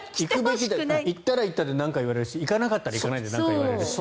行ったら行ったで何か言われるし行かなかったら行かないでなんか言われるし。